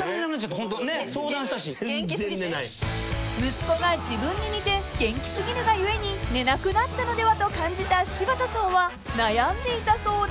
［息子が自分に似て元気すぎるが故に寝なくなったのではと感じた柴田さんは悩んでいたそうです］